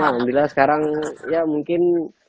alhamdulillah sekarang ya mungkin